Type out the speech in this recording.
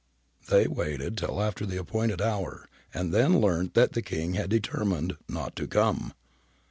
They waited till after the appointed hour and then learnt that the King had determined not to come.